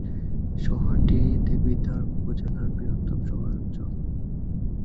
শহরটি দেবিদ্বার উপজেলার বৃহত্তম শহরাঞ্চল।